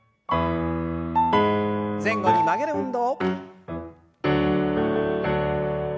前後に曲げる運動。